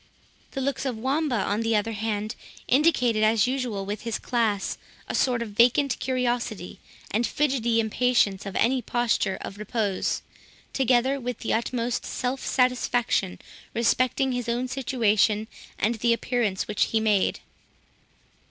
The looks of Wamba, on the other hand, indicated, as usual with his class, a sort of vacant curiosity, and fidgetty impatience of any posture of repose, together with the utmost self satisfaction respecting his own situation, and the appearance which he made.